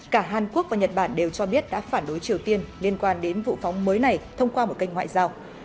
cả hàn quốc và nhật bản đều cho biết đã phản đối triều tiên liên quan đến vụ phóng mới này thông qua một kênh ngoại giao